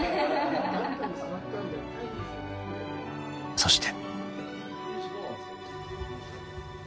［そして］